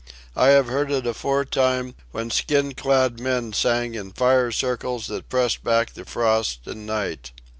I have heard it aforetime, when skin clad men sang in fire circles that pressed back the frost and night."